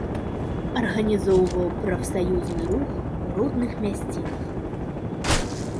Арганізоўваў прафсаюзны рух у родных мясцінах.